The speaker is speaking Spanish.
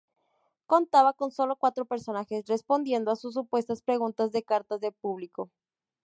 Contaba con sólo cuatro personajes respondiendo a supuestas preguntas de cartas del público.